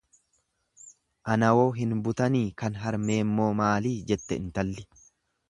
Anawoo hin butanii kan harmeemmoo maalii? jette intalli.